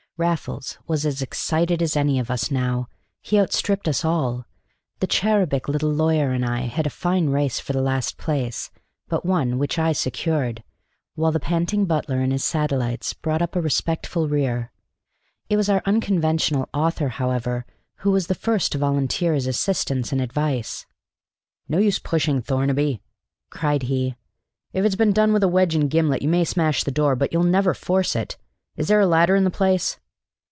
Raffles was as excited as any of us now: he outstripped us all. The cherubic little lawyer and I had a fine race for the last place but one, which I secured, while the panting butler and his satellites brought up a respectful rear. It was our unconventional author, however, who was the first to volunteer his assistance and advice. "No use pushing, Thornaby!" cried he. "If it's been done with a wedge and gimlet, you may smash the door, but you'll never force it. Is there a ladder in the place?"